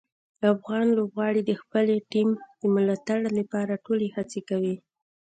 افغان لوبغاړي د خپلې ټیم د ملاتړ لپاره ټولې هڅې کوي.